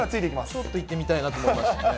ちょっと行ってみたいなと思いましたね。